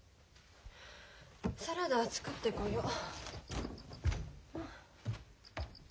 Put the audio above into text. サラダ作ってこよう。